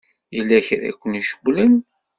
Yella kra i ken-icewwlen?